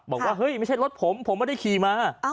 บอกว่าเฮ้ยไม่ใช่รถผมผมไม่ได้ขี่มา